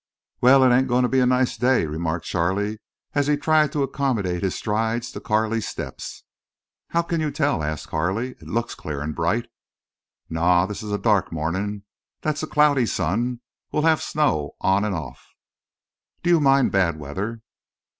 "Wal, it ain't a goin' to be a nice day," remarked Charley, as he tried to accommodate his strides to Carley's steps. "How can you tell?" asked Carley. "It looks clear and bright." "Naw, this is a dark mawnin'. Thet's a cloudy sun. We'll hev snow on an' off." "Do you mind bad weather?"